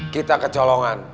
kita ke colongan